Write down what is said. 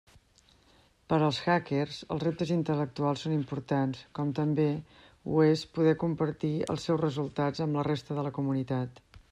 Per als hackers, els reptes intel·lectuals són importants, com també ho és poder compartir els seus resultats amb la resta de la comunitat.